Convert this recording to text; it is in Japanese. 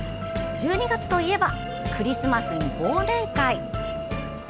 １２月といえばクリスマスに忘年会。